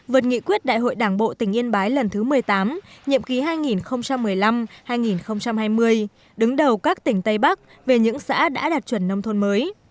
vượt nghị quyết đại hội đảng bộ tỉnh yên bái lần thứ một mươi tám nhiệm ký hai nghìn một mươi năm hai nghìn hai mươi đứng đầu các tỉnh tây bắc về những xã đã đạt chuẩn nông thôn mới